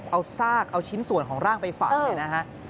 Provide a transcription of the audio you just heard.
เอาซากเอาชิ้นส่วนของร่างไปฝังเนี่ยนะฮะ